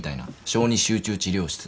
小児集中治療室。